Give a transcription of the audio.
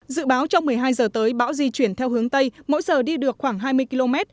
dự báo trong một mươi hai h tới bão di chuyển theo hướng tây mỗi giờ đi được khoảng hai mươi km